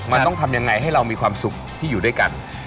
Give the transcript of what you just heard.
มันต้องทำยังไงให้เรามีความสุขที่อยู่ด้วยกัน